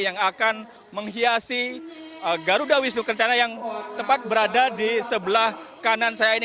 yang akan menghiasi garuda wisnu kencana yang tepat berada di sebelah kanan saya ini